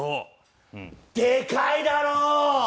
でかいだろー。